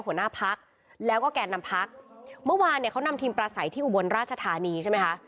หัวหน้าพักแล้วก็แก่นำพักเมื่อวานเนี่ยเขานำทีมประสัยที่อุบลราชธานีใช่ไหมคะ